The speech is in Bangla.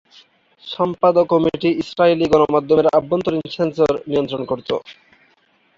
সম্পাদক কমিটি ইসরায়েলি গণমাধ্যমের আভ্যন্তরীণ সেন্সর নিয়ন্ত্রণ করতো।